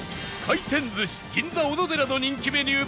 廻転鮨銀座おのでらの人気メニュー